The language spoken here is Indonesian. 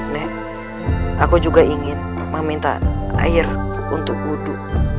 nek aku juga ingin meminta air untuk wudhu